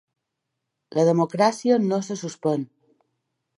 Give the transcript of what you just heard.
La democràcia no se suspèn!